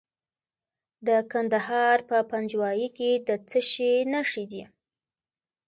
د کندهار په پنجوايي کې د څه شي نښې دي؟